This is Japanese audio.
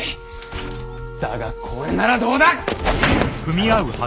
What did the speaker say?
だがこれならどうだ！